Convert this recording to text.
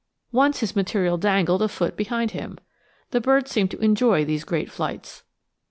Once his material dangled a foot behind him. The birds seemed to enjoy these great flights.